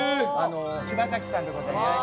柴さんでございます。